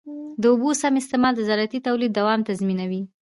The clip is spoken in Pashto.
د اوبو سم استعمال د زراعتي تولید دوام تضمینوي.